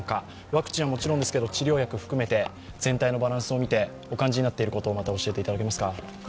ワクチンはもちろんですけれども、治療薬を含めて全体のバランスを見てお感じになっていることを教えていただけますか。